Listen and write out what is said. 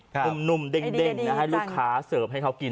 ทรัพย์นุ่มดึงให้ลูกค้าเสิร์ฟให้เค้ากิน